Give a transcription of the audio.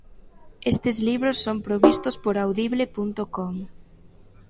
Estes libros son provistos por Audible.com.